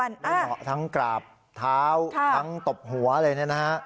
ไม่เหมาะทั้งกราบเท้าทั้งตบหัวเลยนะครับ